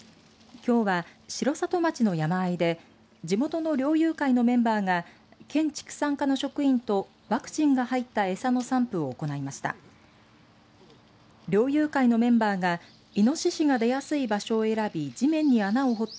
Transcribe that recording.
きょうは城里町の山あいで地元の猟友会のメンバーが県畜産課の職員とワクチンが入ったエサの散布を行いました。